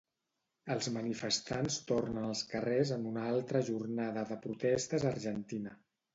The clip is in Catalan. Els manifestants tornen als carrers en una altra jornada de protestes a Argentina.